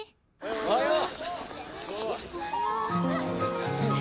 おはよう。